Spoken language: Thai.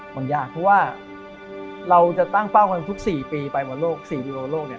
เพราะเราจะตั้งเป้าทุก๔ปีไปวังโลก๔ปีไปวังโลกเนี่ย